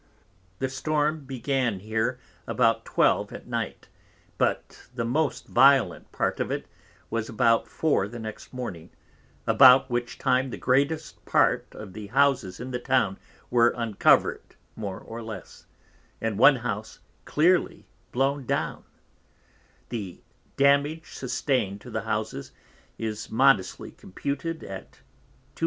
The Storm began here about 12 at Night, but the most violent part of it was about 4 the next Morning, about which time the greatest part of the Houses in the Town were uncovered more or less, and one House clearly blown down; the damage sustain'd to the Houses is modestly computed at 200 _l.